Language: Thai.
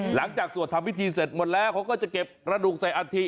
หลังจากส่วนทำพิธีเสร็จหมดแล้วเขาก็จะเก็บระดูกใส่อันทิ